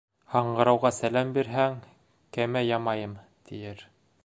Һаңғырауға сәләм бирһәң, «кәмә ямайым» тиер.